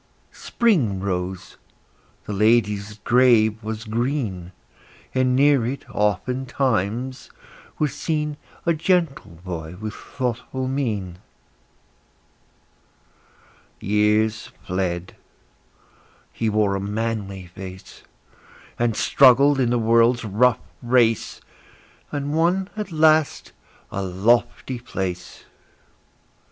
Spring rose; the lady's grave was green; And near it, oftentimes, was seen A gentle boy with thoughtful mien. Years fled; he wore a manly face, And struggled in the world's rough race, And won at last a lofty place.